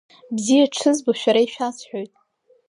Бзиа дшызбо шәара ишәасҳәоит…